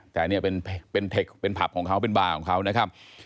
แต่เนี่ยเป็นเทคเป็นผับของเขาเป็นบาร์ของเขานะครับ